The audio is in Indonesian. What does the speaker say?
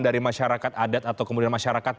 dari masyarakat adat atau kemudian masyarakat